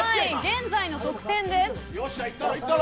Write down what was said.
現在の得点です。